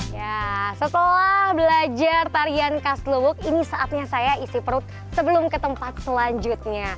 ya setelah belajar tarian khas lubuk ini saatnya saya isi perut sebelum ke tempat selanjutnya